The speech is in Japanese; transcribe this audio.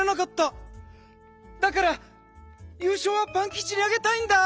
だからゆうしょうはパンキチにあげたいんだ！